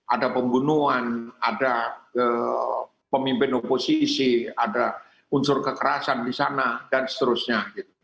ada pembunuhan ada pemimpin oposisi ada unsur kekerasan di sana dan seterusnya